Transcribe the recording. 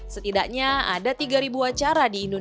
setidaknya ada tiga acara di indonesia yang akan menunjukkan kemampuan